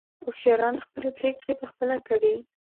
هوښیاران خپلې پرېکړې په خپله کوي.